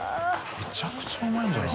めちゃくちゃうまいんじゃない？